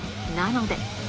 なので。